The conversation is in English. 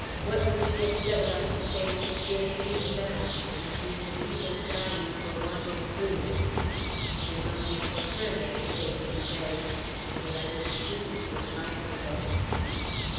What would she have said about the saints, if she had seen that, and seen the people dying for want of food? It is only for her that the saints pray. They are displeased with my people."